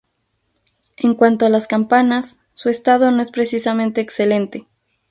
En cuanto a las campanas su estado no es precisamente excelente.